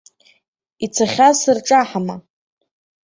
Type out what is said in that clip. Ицахьаз сырҿаҳама?